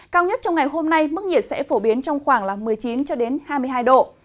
cao nhất trong ngày hôm nay mức nhiệt sẽ phổ biến trong khoảng một mươi chín cho đến hai mươi hai độ